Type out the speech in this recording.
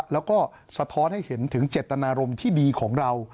แล้วก็สะท้อนให้เห็นถึงเจตนารมณ์ที่ดีของเรา